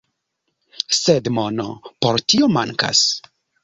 Sed mono por tio mankas.